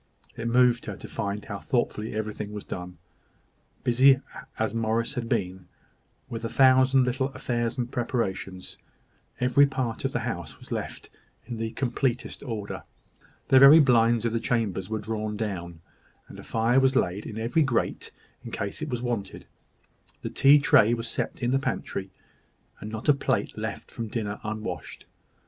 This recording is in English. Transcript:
It moved her to find how thoughtfully everything was done. Busy as Morris had been with a thousand little affairs and preparations, every part of the house was left in the completest order. The very blinds of the chambers were drawn down, and a fire was laid in every grate, in case of its being wanted. The tea tray was set in the pantry, and not a plate left from dinner unwashed.